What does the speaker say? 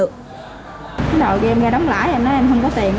lúc đầu em ra đóng lãi em nói em không có tiền đó